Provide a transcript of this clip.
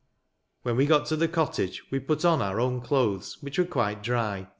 When we got to the cottage, we put on our own clothes, which were quite dry.